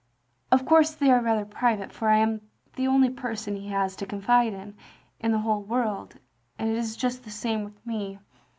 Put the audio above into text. " Of course they are rather private, for I am the only person he has to confide in, in the whole worid, and it is just the same with me.